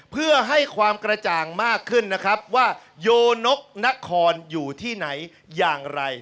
เพื่อให้ความกระจ่างมากขึ้นนะครับว่าโยนกนครอยู่ที่ไหนอย่างไร